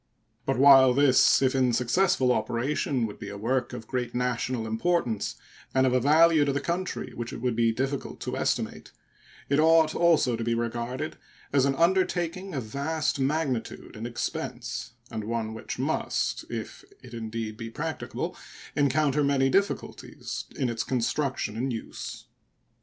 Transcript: But while this, if in successful operation, would be a work of great national importance and of a value to the country which it would be difficult to estimate, it ought also to be regarded as an undertaking of vast magnitude and expense, and one which must, if it be indeed practicable, encounter many difficulties in its construction and use.